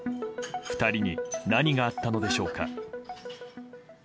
２人に何があったのでしょうか。